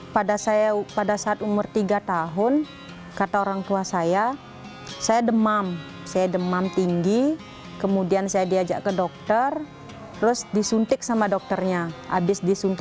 pertama apa yang anda lakukan